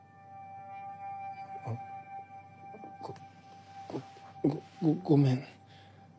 あっごごごごごめん。